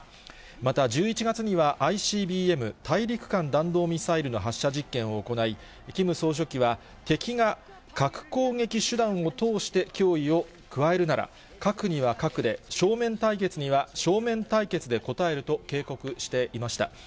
また１１月には、ＩＣＢＭ・大陸間弾道ミサイルの発射実験を行い、キム総書記は、敵が核攻撃手段を通して脅威を加えるなら、核には核で、正面対決には正面対決で応えると警告していました。